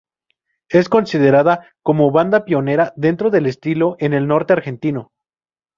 Es considerada como banda pionera dentro del estilo en el norte argentino.